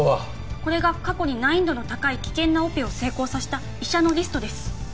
これが過去に難易度の高い危険なオペを成功させた医者のリストです